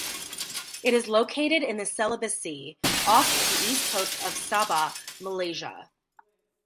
It is located in the Celebes Sea off the east coast of Sabah, Malaysia.